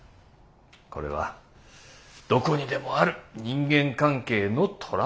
これはどこにでもある人間関係のトラブルですよ。